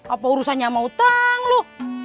apa urusannya sama utang lu